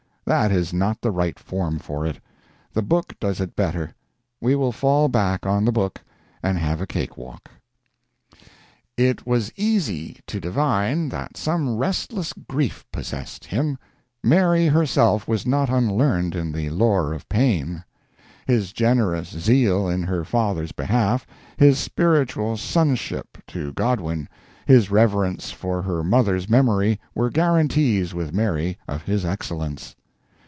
That is not the right form for it. The book does it better; we will fall back on the book and have a cake walk: "It was easy to divine that some restless grief possessed him; Mary herself was not unlearned in the lore of pain. His generous zeal in her father's behalf, his spiritual sonship to Godwin, his reverence for her mother's memory, were guarantees with Mary of his excellence.